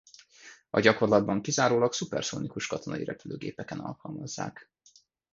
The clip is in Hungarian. A gyakorlatban kizárólag szuperszonikus katonai repülőgépeken alkalmazzák.